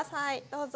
どうぞ。